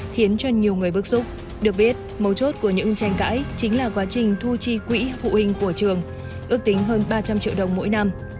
khiến cho nhiều người bức xúc được biết mấu chốt của những tranh cãi chính là quá trình thu chi quỹ phụ huynh của trường ước tính hơn ba trăm linh triệu đồng mỗi năm